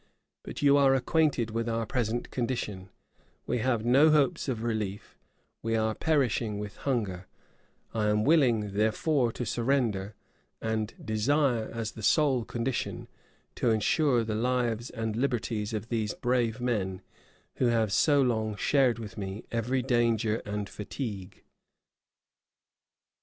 But you are acquainted with our present condition: we have no hopes of relief; we are perishing with hunger; I am willing therefore to surrender, and desire, as the sole condition, to insure the lives and liberties of these brave men, who have so long shared with me every danger and fatigue."